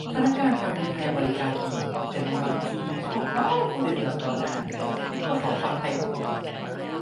พนักงานการบินไทยบริการดี แต่มีบางทีชอบเมาต์ผู้โดยสารต่อหน้า นึกว่าเขาฟังไทยไม่ออก